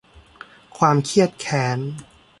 ความเคียดแค้น